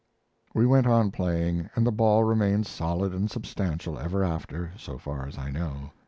We went on playing, and the ball remained solid and substantial ever after, so far as I know.